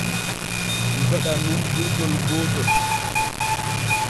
Ɗi gaɗan nun burtol gootol.